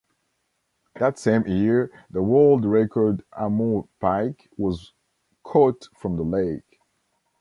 That same year the world record Amur pike was caught from the lake.